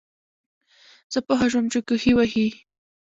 زۀ پوهه شوم چې کوهے وهي